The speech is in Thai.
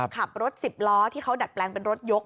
ขับรถ๑๐ล้อที่เขาดัดแปลงเป็นรถยก